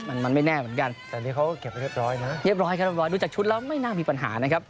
แต่วันนี้เขาเก็บได้เรียบร้อยนะเดี๋ยวเราดูจากชุดแล้วไม่น่ามีปัญหานะครับ